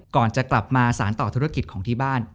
ก่อนจะกลับมาสารต่อธุรกิจของที่บ้าน